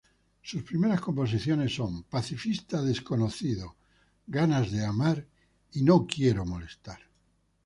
Sus primeras composiciones son "Soldado Desconocido", "Ganas de matar", "Quiero Molestar".